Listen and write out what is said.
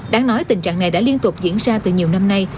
đáng nói tình trạng này đã liên tục diễn ra từ nhiều năm nay